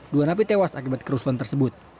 dua napi tewas akibat kerusuhan tersebut